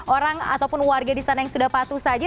orang ataupun warga di sana yang sudah patuh saja